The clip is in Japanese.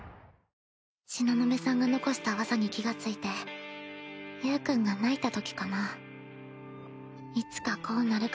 東雲さんが遺した技に気が付いてゆーくんが泣いたときかな